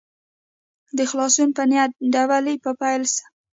د خلاصون په نیت دبلي په پیل سه.